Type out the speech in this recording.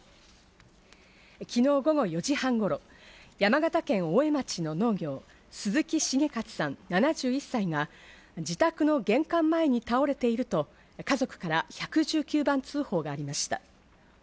昨日午後４時半頃、山形県大江町の農業・鈴木茂勝さん７１歳が自宅の玄関前に倒れていると家族から１１９番通報がありました。